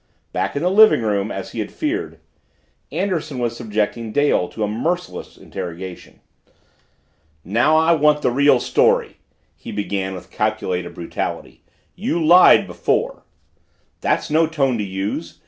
Back in the living room, as he had feared, Anderson was subjecting Dale to a merciless interrogation. "Now I want the real story!" he began with calculated brutality. "You lied before!" "That's no tone to use!